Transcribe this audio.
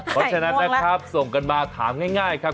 เพราะฉะนั้นนะครับส่งกันมาถามง่ายครับ